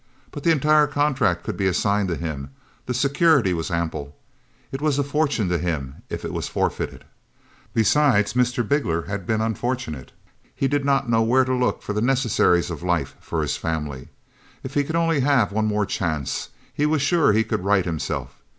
But the entire contract could be assigned to him the security was ample it was a fortune to him if it was forfeited. Besides Mr. Bigler had been unfortunate, he didn't know where to look for the necessaries of life for his family. If he could only have one more chance, he was sure he could right himself.